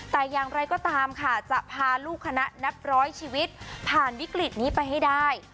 แต่อย่างไรก็ตามค่ะจะพาลูกคณะนับร้อยชีวิตผ่านวิกฤตนี้ไปให้ได้